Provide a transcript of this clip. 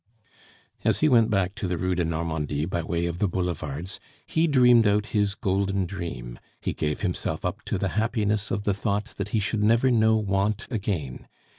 As he went back to the Rue de Normandie by way of the boulevards, he dreamed out his golden dream, he gave himself up to the happiness of the thought that he should never know want again.